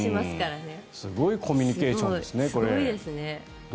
すごいコミュニケーションですね。